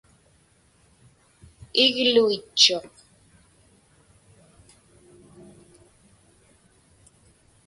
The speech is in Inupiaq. Igluitchuq.